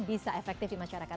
bisa efektif di masyarakat